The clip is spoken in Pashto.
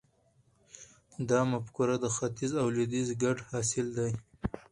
دا مفکوره د ختیځ او لویدیځ ګډ حاصل دی.